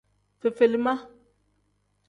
Fefelima.